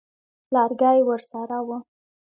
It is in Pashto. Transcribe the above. لرګی ورسره وو.